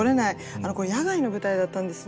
これ野外の舞台だったんですね。